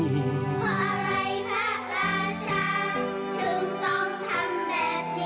เพราะอะไรภาคราชันถึงต้องทำแบบนี้